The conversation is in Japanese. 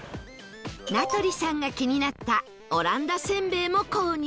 名取さんが気になったオランダせんべいも購入